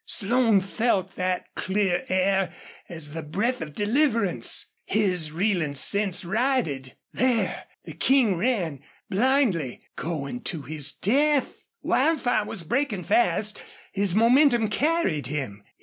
Slone felt that clear air as the breath of deliverance. His reeling sense righted. There the King ran, blindly going to his death. Wildfire was breaking fast. His momentum carried him.